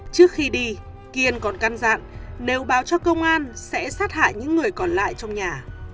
trước khi đi kiên còn can dạng nếu báo cho công an sẽ sát hại những người còn lại trong nhà